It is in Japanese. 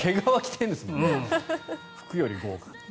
服より豪華。